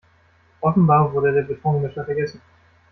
Offenbar wurde der Betonmischer vergessen.